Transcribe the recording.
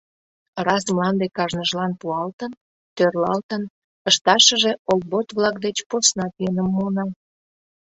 Раз мланде кажныжлан пуалтын, тӧрлалтын, ышташыже олбот-влак деч поснат йӧным муына.